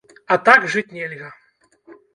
А так жыць нельга!